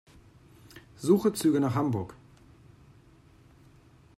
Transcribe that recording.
Suche Züge nach Hamburg.